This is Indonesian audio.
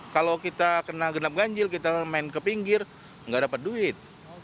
kalau kita kena genap ganjil kita main ke pinggir nggak dapat duit